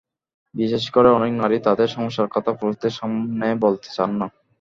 বিশেষ করে অনেক নারী তাঁদের সমস্যার কথা পুরুষদের সামনে বলতে চান না।